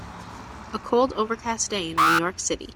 A cold overcast day in New York City.